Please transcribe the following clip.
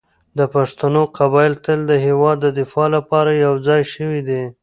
د پښتنو قبایل تل د هېواد د دفاع لپاره يو ځای شوي دي.